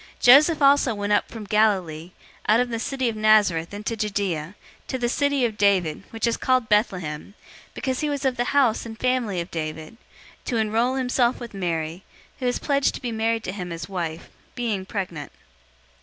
002:004 Joseph also went up from Galilee, out of the city of Nazareth, into Judea, to the city of David, which is called Bethlehem, because he was of the house and family of David; 002:005 to enroll himself with Mary, who was pledged to be married to him as wife, being pregnant.